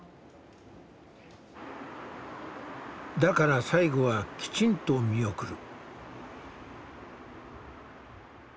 だから最期はきちんと見送る。